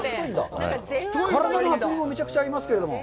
体の厚みもめちゃくちゃありますけれども。